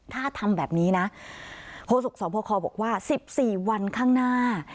ถ้าทำแบบนี้นะโฆษกสอบคอบอกว่า๑๔วันข้างหน้า